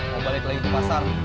mau balik lagi ke pasar